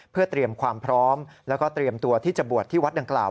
เพื่อเตรียมความพร้อมแล้วก็เตรียมตัวที่จะบวชที่วัดดังกล่าว